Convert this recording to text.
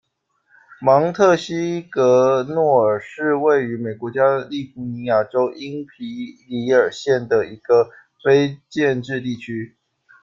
芒特西格诺尔是位于美国加利福尼亚州因皮里尔县的一个非建制地区。